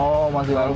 oh masih langsung